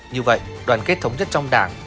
như vậy đoàn kết thống nhất trong đảng